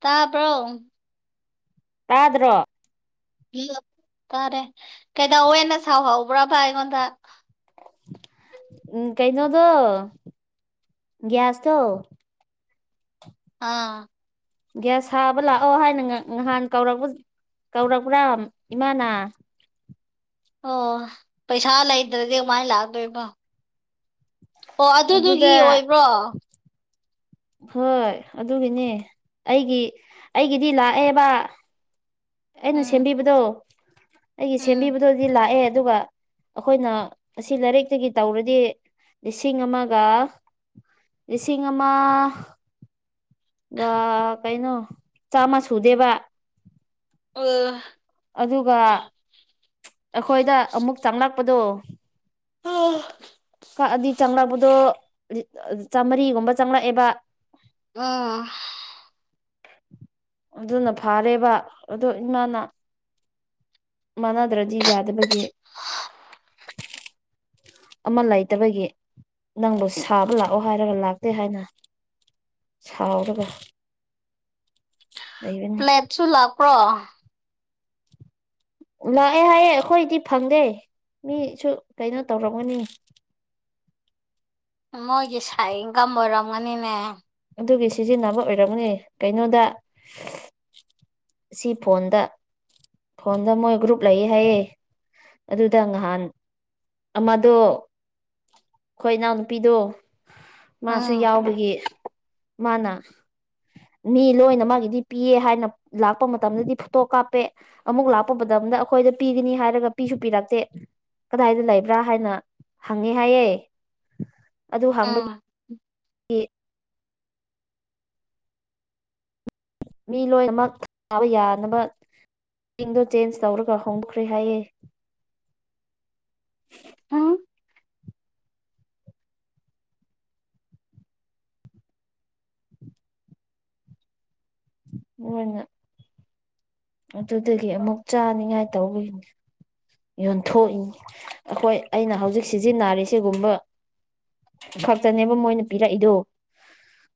ꯇꯥꯕ꯭ꯔꯣ ꯇꯥꯗ꯭ꯔꯣ ꯇꯥꯔꯦ ꯀꯩꯗꯧꯋꯦꯅ ꯁꯥꯎꯍꯧꯕ꯭ꯔꯕ ꯑꯩꯉꯣꯟꯗ ꯎꯝ ꯀꯩꯅꯣꯗꯣ ꯒ꯭ꯌꯥꯁꯇꯣ ꯑꯥ ꯒ꯭ꯌꯥꯁ ꯁꯥꯕ ꯂꯥꯛꯑꯣ ꯍꯥꯏꯅ ꯉꯥ ꯉꯥꯍꯥꯟ ꯀꯧꯔꯛ ꯀꯧꯔꯛꯄ꯭ꯔꯥ ꯏꯃꯥꯅ ꯑꯣ ꯄꯩꯁꯥ ꯂꯩꯇ꯭ꯔꯗꯤ ꯀꯃꯥꯏꯅ ꯂꯥꯛꯇꯣꯏꯕ ꯑꯣ ꯑꯗꯨꯗ ꯑꯗꯨꯗꯨꯒꯤ ꯑꯣꯏꯕ꯭ꯔꯣ ꯍꯣꯏ ꯑꯗꯨꯒꯤꯅꯦ ꯑꯩꯒꯤ ꯑꯩꯒꯤꯗꯤ ꯂꯥꯛꯑꯦꯕ ꯑꯩꯅ ꯎꯝ ꯁꯦꯝꯕꯤꯕꯗꯣ ꯑꯩꯒꯤ ꯎꯝ ꯁꯦꯝꯕꯤꯕꯗꯣꯗꯤ ꯂꯥꯛꯑꯦ ꯑꯗꯨꯒ ꯑꯩꯈꯣꯏꯅ ꯑꯁꯤ ꯂꯥꯏꯔꯤꯛꯇꯒꯤ ꯇꯧꯔꯗꯤ ꯂꯤꯁꯤꯡ ꯑꯃꯒ ꯂꯤꯁꯤꯡ ꯑꯃ ꯑꯥ ꯀꯩꯅꯣ ꯆꯥꯝꯃ ꯁꯨꯗꯦꯕ ꯑꯣ ꯑꯗꯨꯒ ꯑꯩꯈꯣꯏꯗ ꯑꯃꯨꯛ ꯆꯪꯂꯛꯄꯗꯣ ꯑꯥ ꯀꯛꯑꯗꯤ ꯆꯪꯂꯛꯄꯗꯣ ꯆꯥꯝꯃꯔꯤꯒꯨꯝꯕ ꯆꯪꯂꯛꯑꯦꯕ ꯑꯥ ꯑꯗꯨꯅ ꯐꯥꯔꯦꯕ ꯑꯗꯨ ꯏꯃꯥꯅ ꯃꯥꯟꯅꯗ꯭ꯔꯗꯤ ꯌꯥꯗꯕꯒꯤ [inaudible] ꯑꯃ ꯂꯩꯇꯕꯒꯤ ꯅꯪꯕꯨ ꯁꯥꯕ ꯂꯥꯛꯑꯣ ꯍꯥꯏꯔꯒ ꯂꯥꯛꯇꯦ ꯍꯥꯏꯅ ꯁꯥꯎꯔꯒ ꯑꯥ ꯂꯩꯕꯅꯤ ꯁꯨ ꯂꯥꯛꯄ꯭ꯔꯣ ꯂꯥꯛꯑꯦ ꯍꯥꯏꯌꯦ ꯑꯩꯈꯣꯏꯗꯤ ꯐꯪꯗꯦ ꯃꯤꯁꯨ ꯀꯩꯅꯣ ꯇꯧꯔꯝꯒꯅꯤ ꯃꯣꯏꯒꯤ ꯁꯥꯏ ꯏꯟꯒꯝ ꯑꯣꯏꯔꯝꯒꯅꯤꯅꯦ ꯑꯗꯨꯒꯤ ꯁꯤꯖꯤꯟꯅꯕ ꯑꯣꯏꯔꯝꯒꯅꯤ ꯀꯩꯅꯣꯗ ꯁꯤ ꯐꯣꯟꯗ ꯐꯣꯟꯗ ꯃꯣꯏ ꯒ꯭ꯔꯨꯞ ꯂꯩ ꯍꯥꯏꯌꯦ ꯑꯗꯨꯗ ꯉꯍꯥꯟ ꯑꯃꯗꯣ ꯑꯩꯈꯣꯏ ꯏꯅꯥꯎꯅꯨꯄꯤꯗꯣ ꯃꯥꯁꯨ ꯎꯝ ꯌꯥꯎꯕꯒꯤ ꯃꯥꯅ ꯃꯤ ꯂꯣꯏꯅ ꯃꯥꯒꯤꯗꯤ ꯄꯤꯌꯦ ꯍꯥꯏꯅ ꯂꯥꯛꯄ ꯃꯇꯝꯗꯗꯤ ꯐꯣꯇꯣ ꯀꯥꯞꯄꯦ ꯑꯃꯨꯛ ꯂꯥꯛꯄ ꯕꯗꯝꯗ ꯑꯩꯈꯣꯏꯗ ꯄꯤꯒꯅꯤ ꯍꯥꯏꯔꯒ ꯄꯤꯁꯨ ꯄꯤꯔꯛꯇꯦ꯫ ꯀꯗꯥꯏꯗ ꯂꯩꯕ꯭ꯔꯥ ꯍꯥꯏꯅ ꯍꯪꯉꯦ ꯍꯥꯏꯌꯦ ꯑꯗꯨ ꯍꯪꯕꯒꯤ ꯎꯝ ꯏ ꯃꯤ ꯂꯣꯏꯅꯃꯛ ꯊꯥꯕ ꯌꯥꯅꯕ [inaudible] ꯗꯣ ꯆꯦꯟꯖ ꯇꯧꯔꯒ ꯍꯣꯡꯈ꯭ꯔꯦ ꯍꯥꯏꯌꯦ꯫ ꯍꯝ꯫ [unintelligible] ꯃꫭꯏꯅ ꯑꯗꯨꯗꯒꯤ ꯑꯃꯨꯛ ꯆꯥꯅꯤꯡꯉꯥꯏ ꯇꯧꯕꯒꯤꯅꯤ꯫ ꯌꯣꯟꯊꯣꯛꯏꯅꯤ ꯑꯈꯣꯏ ꯑꯩꯅ ꯍꯧꯖꯤꯛ ꯁꯤꯖꯤꯟꯅꯔꯤ ꯁꯤꯒꯨꯝꯕ ꯈꯛꯇꯅꯦꯕ ꯃꯣꯏꯅ ꯄꯤꯔꯛꯏꯗꫭ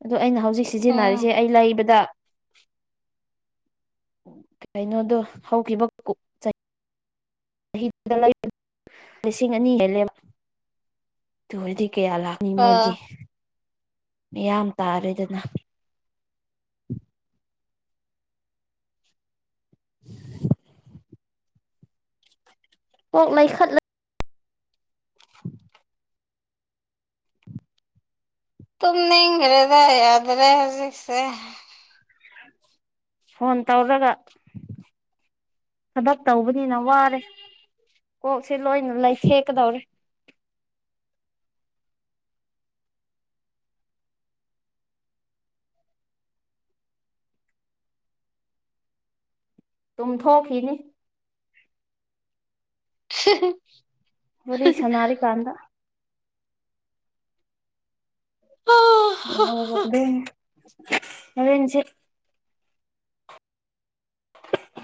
ꯑꯗꯨ ꯑꯩꯅ ꯍꯧꯖꯤꯛ ꯁ ꯁꯤꯖꯤꯟꯅꯔꯤꯁꯦ ꯎꯝ ꯑꯩ ꯂꯩꯕꯗ ꯀꯩꯅꯣꯗꯣ ꯍꯧꯈꯤꯕ [unintelligible] ꯂꯤꯁꯤꯡ ꯑꯅꯤ ꯍꯦꯜꯂꯦ ꯑꯗꯨ ꯑꯣꯏꯔꯗꯤ ꯀꯌꯥ ꯂꯥꯛ ꯃꯤ ꯃꯣꯏꯒꯤ ꯑꯥ ꯃꯤꯌꯥꯝ ꯇꯥꯔꯦꯗꯅ꯫ [inaudible] ꯀꯣꯛ ꯂꯩꯈꯠꯂ ꯇꯨꯝꯅꯤꯡꯈ꯭ꯔꯦꯗ ꯌꯥꯗ꯭ꯔꯦ ꯍꯧꯖꯤꯛꯁꯦ꯫ ꯐꯣꯟ ꯇꯧ꯭ꯔꯒ ꯊꯕꯛ ꯇꯧꯕꯅꯤꯅ ꯋꯥꯔꯦ ꯀꯣꯛꯁꯦ ꯂꯣꯏꯅ ꯂꯩꯊꯦꯛꯀꯗꯧꯔꯦ꯫ ꯇꯨꯝꯊꯣꯛꯈꯤꯅꯤ꯫ [unintelligible] ꯋꯥꯔꯤ ꯁꯥꯅꯔꯤ ꯀꯥꯟꯗ꯫ [inaudible] ꯍꯧꯔꯦꯟꯁꯦ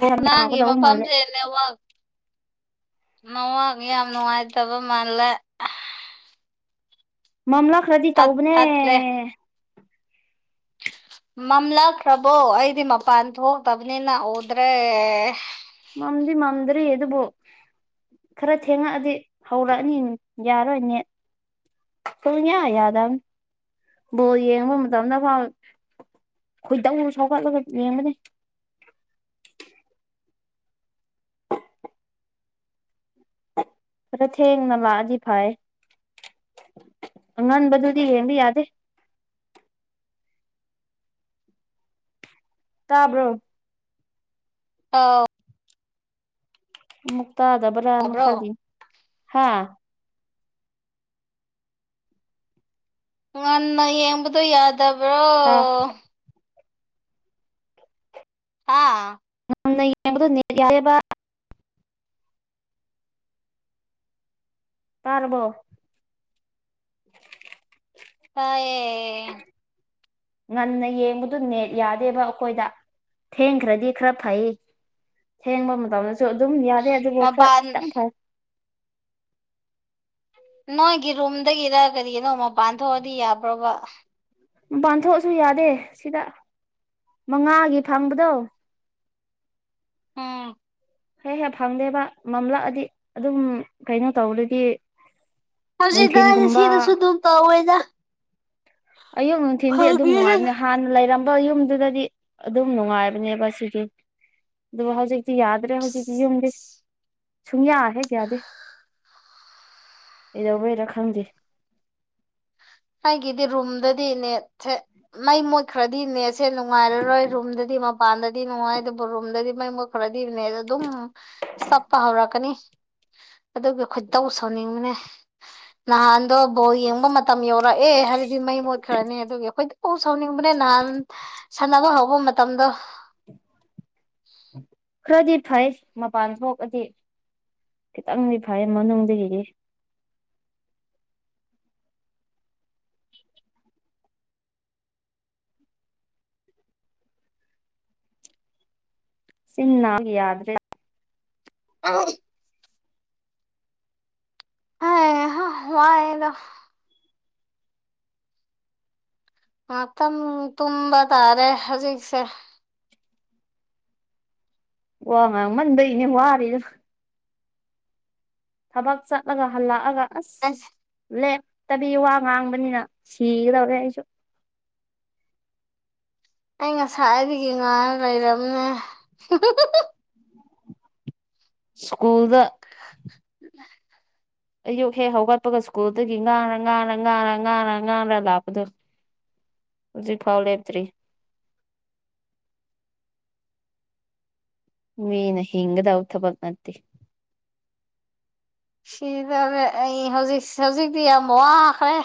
ꯌꯥꯝ ꯅꯥꯡꯒꯤ ꯌꯥꯝꯃꯛꯀꯗꯧꯕ ꯃꯥꯜꯂꯦ ꯃꯐꯝꯁꯦ ꯅꯦꯋꯥꯛ ꯅꯋꯥꯛ ꯌꯥꯝ ꯅꯨꯡꯉꯥꯏꯇꯕ ꯃꯥꯜꯂꯦ꯫ ꯃꯝꯂꯛꯈ꯭ꯔꯗꯤ ꯇꯠ ꯇꯧꯕꯅꯦ꯫ ꯇꯠꯂꯦ ꯃꯝꯂꯛꯈ꯭ꯔꯕꯣ ꯑꯩꯗꯤ ꯃꯄꯥꯟ ꯊꯣꯛꯇꯕꯅꯤꯅ ꯎꯗ꯭ꯔꯦ꯫ ꯃꯝꯗꯤ ꯃꯝꯗ꯭ꯔꯤ ꯑꯗꯨꯕꯨ ꯈꯔ ꯊꯦꯡꯉꯛꯑꯗꯤ ꯍꯧꯔꯛꯑꯅꯤ ꯌꯥꯔꯣꯏ ꯅꯦꯠ꯫ ꯁꯨꯡꯌꯥ ꯌꯥꯗꯕꯅꯤ ꯕꯣꯜ ꯌꯦꯡꯕ ꯃꯇꯝꯗ ꯐꯥꯎ ꯈꯣꯏꯗꯧ ꯁꯧꯒꯠꯂꯒ ꯌꯦꯡꯕꯅꯦ꯫ ꯈꯔ ꯊꯦꯡꯅ ꯂꯥꯛꯑꯗꯤ ꯐꯩ ꯑꯉꯟꯕꯗꯨꯗꯤ ꯌꯦꯡꯕ ꯌꯥꯗꯦ꯫ ꯇꯥꯕ꯭ꯔꯣ꯫ ꯑꯥꯎ꯫ ꯑꯃꯨꯛ ꯇꯥꯗꯕ꯭ꯔꯅ ꯇꯥꯕ꯭ꯔꯣ ꯈꯜꯂꯤꯅꯤ ꯍꯥꯥ꯫ ꯉꯟꯅ ꯌꯦꯡꯕꯗꯨ ꯌꯥꯗꯕ꯭ꯔꯣ꯫ ꯇꯥ ꯍꯥ꯫ ꯉꯟꯅ ꯌꯦꯡꯕꯗꯣ ꯅꯦꯠ ꯌꯥꯗꯦꯕ꯫ ꯇꯥꯔꯕꯣ꯫ ꯇꯥꯌꯦ꯫ ꯉꯟꯅ ꯌꯦꯡꯕꯗꯨ ꯅꯦꯠ ꯌꯥꯗꯦꯕ ꯑꯈꯣꯏꯗ꯫ ꯊꯦꯡꯈ꯭ꯔꯗꯤ ꯈꯔ ꯐꯩ ꯊꯦꯡꯕ ꯃꯇꯝꯗꯁꯨ ꯑꯗꯨꯝ ꯌꯥꯠ ꯗꯦ ꯑꯗꯨꯕꯨ ꯈꯔ ꯃꯄꯥꯟ ꯈꯤꯇꯪ ꯐꯩ꯫ ꯅꯣꯏꯒꯤ ꯔꯨꯝꯗꯒꯤꯔ ꯀꯔꯤꯅꯣ ꯃꯄꯥꯟ ꯊꯣꯛꯑꯗꯤ ꯌꯥꯕ꯭ꯔꯣꯕ꯫ ꯎꯝ ꯄꯥꯟꯊꯣꯛ ꯑꯁꯨ ꯌꯥꯗꯦ ꯁꯤꯗ ꯃꯉꯥꯒꯤ ꯐꯪꯕꯗꯣ꯫ ꯑꫭ꯫ ꯍꯦꯛ ꯍꯦꯛ ꯐꯪꯗꯦꯕ ꯃꯝꯂꯛ ꯑꯗꯤ ꯑꯗꯨꯝ ꯀꯩꯅꯣ ꯇꯧꯔꯗꯤ ꯍꯧꯖꯤꯛ ꯀꯥꯟ ꯅꯨꯡꯊꯤꯟꯒꯨꯝꯕ ꯁꯤꯗꯁꯨ ꯑꯗꯨꯝ ꯇꯧꯋꯦꯗ ꯑꯌꯨꯛ ꯅꯨꯡꯊꯤꯟꯗꯤ ꯑꯗꯨꯝ ꯐꯪꯉꯦ ꯅꯨꯡꯉꯥꯏꯕꯅꯤ ꯍꯥꯟꯅ ꯂꯩꯔꯝꯕ ꯌꯨꯝꯗꯨꯗꯗꯤ ꯑꯗꯨꯝ ꯅꯨꯡꯉꯥꯏꯕꯅꯦꯕ ꯁꯤꯗꯤ ꯑꯗꯨꯕꯨ ꯍꯧꯖꯤꯛꯇꯤ ꯌꯥꯗ꯭ꯔꯦ ꯍꯧꯖꯤꯛꯀꯤ ꯌꯨꯝꯗꯤ ꯁꯨꯡꯌꯥ ꯍꯦꯛ ꯌꯥꯗꯦ ꯀꯩꯗꯧꯕꯩꯔꯥ ꯈꯪꯗꯦ ꯑꯩꯒꯤꯗꯤ ꯔꯨꯝꯗꯗꯤ ꯅꯦꯠꯁꯦ ꯃꯩ ꯃꯨꯠꯈ꯭ꯔꯗꯤ ꯅꯦꯠ ꯁꯦ ꯅꯨꯡꯉꯥꯏꯔꯔꯣꯏ ꯔꯨꯝꯗꯗꯤ ꯃꯄꯥꯟꯗꯗꯤ ꯅꯨꯡꯉꯥꯏ ꯗꯨꯕ ꯔꯨꯝꯗꯗꯤ ꯃꯩ ꯃꯨꯠ ꯈꯔꯗꯤ ꯅꯦꯠ ꯑꯗꯨꯝ ꯆꯞꯄ ꯍꯧꯔꯛꯀꯅꯤ ꯑꯗꯨꯒꯤ ꯈꯣꯏꯇꯧ ꯁꯧꯅꯤꯡꯕꯅꯦ ꯅꯍꯥꯟꯗꯣ ꯕꯣꯜ ꯌꯦꯡꯕ ꯃꯇꯝ ꯌꯧꯔꯛ ꯔꯛꯑꯦ ꯍꯥꯏꯔꯗꯤ ꯃꯩ ꯃꯨꯠꯈ꯭ꯔꯅꯤ ꯑꯗꯨꯒꯤ ꯑꯩꯈꯣꯏꯗꯤ ꯎ ꯁꯥꯎꯅꯤꯡꯕꯅꯦ ꯅꯍꯥꯟ ꯁꯥꯟꯅꯕ ꯍꯧꯕ ꯃ ꯇꯝꯗ ꯈꯔꯗꯤ ꯐꯩ ꯃꯄꯥꯟ ꯊꯣꯛꯑꯗꯤ ꯈꯤꯇꯪꯗꯤ ꯐꯩ ꯃꯅꯨꯡꯗꯒꯤꯗꯤ ꯆꯤꯟ ꯅꯥꯕ ꯌꯥꯗ꯭ꯔꯦ [unintelligible] ꯑꯩꯍꯥ ꯋꯥꯏꯌꯦꯗ ꯉꯥꯛꯇꯪ ꯇꯨꯝꯕ ꯇꯥꯔꯦ ꯍꯧꯖꯤꯛꯁꯦ ꯋꯥ ꯉꯥꯡꯃꯟꯕꯩꯅꯦ ꯋꯥꯔꯤꯗꯣ ꯊꯕꯛ ꯆꯠꯂꯒ ꯍꯜꯂꯛꯑꯒ ꯑꯁ ꯑꯁ ꯂꯦꯞꯇꯕꯤ ꯋꯥ ꯉꯥꯡꯕꯅꯤꯅ ꯁꯤꯒꯗꯧꯔꯦ ꯑꯩꯁꯨ ꯑꯩ ꯉꯁꯥꯏꯗꯒꯤ ꯉꯥꯡꯔ ꯂꯩꯔꯝꯅꯦ ꯁ꯭ꯀꯨꯜꯗ [unintelligible] ꯑꯌꯨꯛ ꯍꯦꯛ ꯍꯧꯒꯠꯄꯒ ꯁ꯭ꯀꯨꯜꯗꯒꯤ ꯉꯥꯔ ꯉꯥꯔ ꯉꯥꯔ ꯉꯥꯔ ꯉꯥꯔ ꯂꯥꯛꯄꯗꯣ ꯍꯧꯖꯤꯛꯐꯥꯎ ꯂꯦꯞꯇ꯭ꯔꯤ ꯃꯤꯅ ꯍꯤꯡꯒꯗꯧ ꯊꯕꯛ ꯅꯠꯇꯦ ꯁꯤꯗꯧꯔꯦ ꯑꯩ ꯍꯧꯖꯤꯛ ꯍꯧꯖꯤꯛꯇꯤ ꯌꯥꯝ ꯋꯥꯈ꯭ꯔꯦ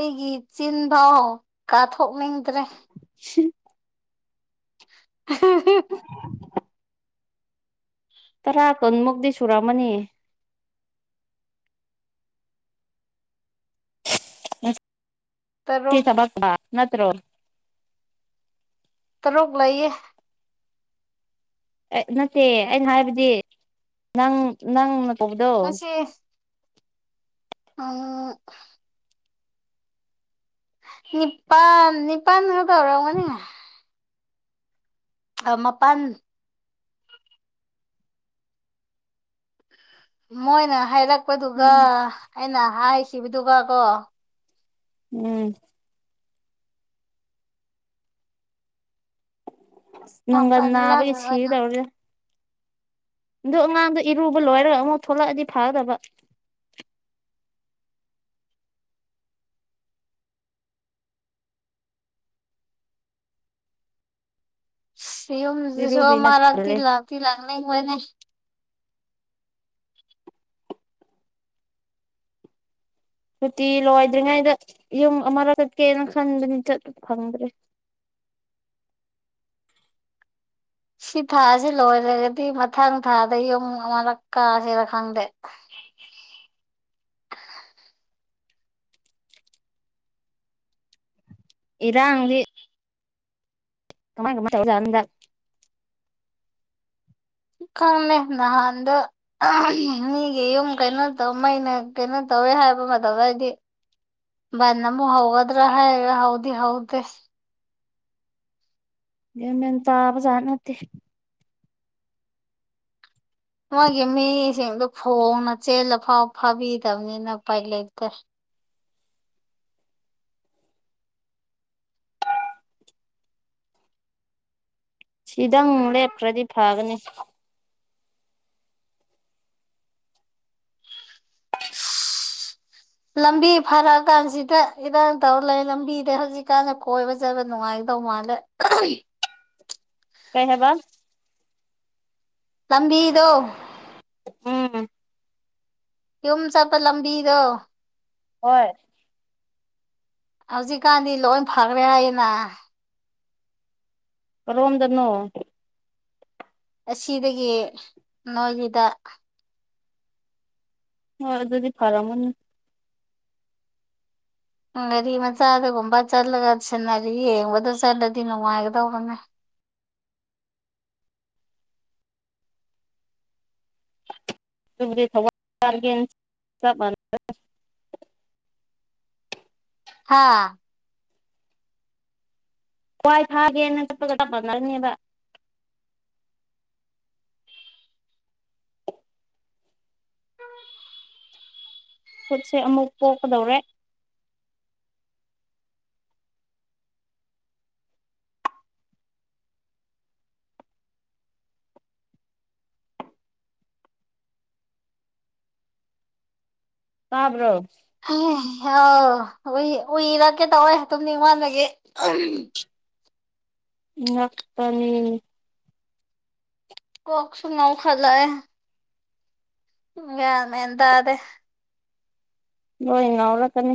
ꯑꯩꯒꯤ ꯆꯤꯟꯐꯥꯎ ꯀꯥꯊꯣꯛꯅꯤꯡꯗ꯭ꯔꯦ [unintelligible] [unintelligible] ꯇꯔꯥ ꯀꯨꯟꯃꯨꯛꯇꯤ ꯁꯨꯔꯝꯃꯅꯤ ꯇꯔꯨꯛ [unintelligible] ꯅꯠꯇ꯭ꯔꯣ ꯇꯔꯨꯛ ꯂꯩꯌꯦ ꯑꯦ ꯅꯠꯇꯦ ꯑꯩꯅ ꯍꯥꯏꯕꯗꯤ ꯅꯪ ꯅꯪꯅ ꯀꯧꯕꯗꯣ ꯉꯁꯤ [unintelligible] ꯅꯤꯄꯥꯟ ꯅꯤꯄꯥꯟ ꯍꯥꯏꯕ ꯑꯣꯏꯔꯝꯒꯅꯤ ꯑꯥ ꯃꯥꯄꯟ ꯃꯣꯏꯅ ꯍꯥꯏꯔꯛꯄꯗꯨꯒ ꯎꯝ ꯑꯩꯅ ꯍꯥꯏꯈꯤꯕꯗꯨꯒ ꯀꯣ ꯎꯝ ꯅꯨꯡꯒꯟ ꯃꯥꯄꯜꯂꯛ ꯅꯥꯕꯒꯤ ꯁꯤꯒꯗꯧꯔꯦ ꯑꯗꯨ ꯑꯉꯥꯡꯗꯣ ꯏꯔꯨꯕ ꯂꯣꯏꯔꯒ ꯑꯃꯨꯛ ꯊꯣꯛꯂꯛꯑꯗꯤ ꯐꯒꯗꯕ ꯁꯤ ꯌꯨꯝꯁꯤꯁꯨ ꯏꯔꯨꯕꯤꯅ ꯑꯃꯥꯔꯛꯇꯤ ꯇꯜꯂꯦ ꯂꯥꯛꯇꯤ ꯂꯥꯛꯅꯤꯡꯕꯅꯦ ꯁꯨꯇꯤ ꯂꯣꯏꯗ꯭ꯔꯤꯉꯩꯗ ꯌꯨꯝ ꯑꯃꯔꯛ ꯆꯠꯀꯦꯅ ꯈꯟꯕꯅꯤ ꯆꯠꯄ ꯐꯪꯗ꯭ꯔꯦ ꯁꯤ ꯊꯥꯖꯤ ꯂꯣꯏꯔꯒꯗꯤ ꯃꯊꯪ ꯊꯥꯗ ꯌꯨꯝ ꯑꯃꯔꯛ ꯀꯥꯁꯤꯔ ꯈꯪꯗꯦ [unintelligible] ꯏꯔꯥꯡꯗꯤ [unintelligible] ꯈꯪꯗꯦ ꯅꯍꯥꯟꯗꯣ ꯑꯍꯝ ꯃꯤꯒꯤ ꯌꯨꯝ ꯀꯩꯅꯣ ꯇꯧ ꯃꯩꯅ ꯀꯩꯅꯣ ꯇꯧꯋꯦ ꯍꯥꯏꯕ ꯃꯇꯝꯗꯗꯤ ꯕꯟ ꯑꯃꯨꯛ ꯍꯧꯒꯗ꯭ꯔꯥ ꯍꯥꯏꯔꯒ ꯍꯧꯗꯤ ꯍꯧꯗꯦ ꯒꯌꯥꯟ ꯃꯦꯟ ꯇꯥꯕꯖꯥꯠ ꯅꯠꯇꯦ ꯃꯣꯏꯒꯤ ꯃꯤꯁꯤꯡꯗꯨ ꯐꯣꯡꯅ ꯆꯦꯜꯂ ꯐꯥꯎ ꯐꯥꯕꯤꯗꯕꯅꯤꯅ ꯎꯄꯥꯏ ꯂꯩꯇꯦ ꯁꯤꯗꯪ ꯂꯦꯞꯈ꯭ꯔꯗꯤ ꯐꯒꯅꯤ ꯂꯝꯕꯤ ꯐꯔꯑꯀꯥꯟꯁꯤꯗ ꯏꯔꯥꯡ ꯇꯧ ꯂꯩ ꯂꯝꯕꯤꯗ ꯍꯧꯖꯤꯛꯀꯥꯟ ꯀꯣꯏꯕ ꯆꯠꯄ ꯅꯨꯡꯉꯥꯏꯒꯗꯧ ꯃꯥꯜꯂꯦ [unintelligible] ꯀꯩ ꯍꯥꯏꯕ ꯂꯝꯕꯤꯗꯣ ꯎꯝ ꯌꯨꯝ ꯆꯠꯄ ꯂꯝꯕꯤꯗꯣ ꯍꯣꯏ ꯍꯧꯖꯤꯛꯀꯥꯟꯗꯤ ꯂꯣꯏ ꯐꯒ꯭ꯔꯦ ꯍꯥꯏꯅ ꯀꯔꯣꯝꯗꯅꯣ ꯑꯁꯤꯗꯒꯤ ꯅꯣꯏꯒꯤꯗ ꯍꯣꯏ ꯑꯗꯨꯗꯤ ꯐꯔꯝꯒꯅꯤ ꯒꯥꯔꯤ ꯃꯆꯥꯗꯒꯨꯝꯕ ꯆꯠꯂꯒ ꯁꯤꯟꯅꯔꯤ ꯌꯦꯡꯕꯗꯣ ꯆꯠꯂꯗꯤ ꯅꯨꯡꯉꯥꯏꯒꯗꯧꯕꯅꯦ ꯑꯗꯨꯕꯨꯗꯤ [unintelligible] ꯍꯥꯥ ꯊꯋꯥꯏ ꯊꯒꯦꯅ ꯆꯠꯄꯒ ꯆꯞ ꯃꯥꯅꯔꯅꯤꯕ ꯈꯨꯠꯁꯦ ꯑꯃꯨꯛ ꯄꯣꯛꯀꯗꯧꯔꯦ ꯇꯥꯕ꯭ꯔꯣ [unintelligible] ꯎꯏ ꯎꯏꯔꯀꯦ ꯇꯧꯋꯦ ꯇꯨꯝꯅꯤꯡꯃꯟꯕꯒꯤ ꯑꯍꯝ [unintelligible] ꯀꯣꯛ ꯁꯨꯨ ꯉꯥꯎꯈꯠꯂꯛꯑꯦ ꯒꯌꯥꯟ ꯃꯦꯟ ꯇꯥꯗꯦ ꯅꯣꯏ ꯉꯥꯎꯔꯛꯀꯅꯤ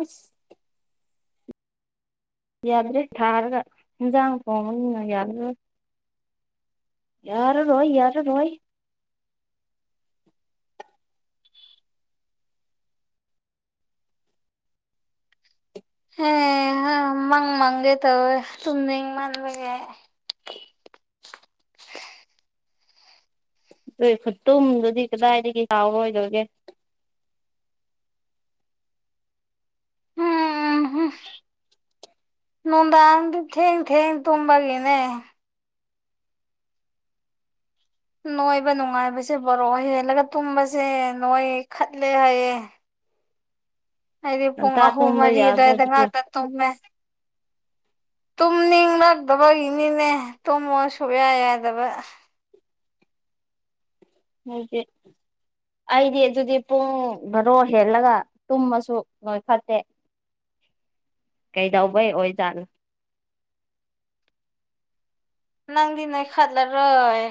ꯑꯁ ꯌꯥꯗ꯭ꯔꯦ ꯊꯥꯔꯒ ꯏꯟꯖꯥꯡ ꯊꯣꯡꯕꯅꯤꯅ ꯌꯥꯔꯔꯣꯏ ꯌꯥꯔꯔꯣꯏ ꯌꯥꯔꯔꯣꯏ ꯍꯦ ꯍ ꯃꯪ ꯃꯪꯒꯦ ꯇꯧꯋꯦ ꯇꯨꯝꯅꯤꯡꯃꯟꯕꯒꯤ ꯑꯗꯨꯏ ꯈꯨꯇꯨꯝꯗꯨꯗꯤ ꯀꯗꯥꯏꯗꯒꯤ ꯆꯥꯎꯔꯣꯏꯗꯣꯏꯒꯦ ꯍꯝ ꯍꯝ ꯅꯨꯡꯗꯥꯡꯗꯤ ꯊꯦꯡ ꯊꯦꯡ ꯇꯨꯝꯕꯒꯤꯅꯦ ꯅꯣꯏꯕ ꯅꯨꯡꯉꯥꯏꯕꯁꯦ ꯕꯥꯔꯣ ꯍꯦꯜꯂꯒ ꯇꯨꯝꯕꯖꯦ ꯅꯣꯏꯈꯠꯂꯦ ꯍꯥꯏꯌꯦ ꯑꯩꯗꯤ ꯄꯨꯡ ꯉꯟꯇꯥ ꯑꯍꯨꯝ ꯇꯨꯝꯕ ꯃꯔꯤ ꯌꯥꯗ꯭ꯔꯣ ꯑꯗꯨꯋꯥꯏꯗ ꯑꯗꯨꯗꯤ ꯉꯥꯛꯇ ꯇꯨꯝꯃꯦ ꯇꯨꯝꯅꯤꯡꯂꯛꯇꯕꯒꯤꯅꯤꯅꯦ ꯇꯨꯝꯃꯣ ꯁꯨꯛꯌꯥ ꯌꯥꯗꯕ ꯅꯣꯏꯒꯤ ꯑꯩꯗꯤ ꯑꯗꯨꯗꯤ ꯄꯨꯡ ꯕꯥꯔꯣ ꯍꯦꯜꯂꯒ ꯇꯨꯝꯃꯁꯨ ꯅꯣꯏꯈꯠꯇꯦ ꯀꯩꯗꯧꯕꯩ ꯑꯣꯏꯖꯥꯠꯅꯣ ꯅꯪꯗꯤ ꯅꯣꯏꯈꯠꯂꯔꯣꯏ